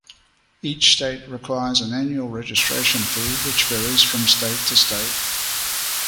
Each state requires an annual registration fee which varies from state to state.